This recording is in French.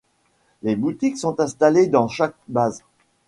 Des boutiques sont installés dans chaque base.